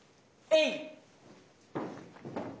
えい！